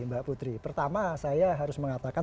mbak putri pertama saya harus mengatakan